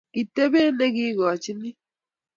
kitepee nekikochini